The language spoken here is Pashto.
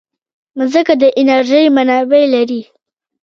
مځکه د انرژۍ منابع لري.